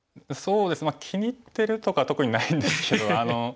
そうですね気に入ってるとか特にないんですけど。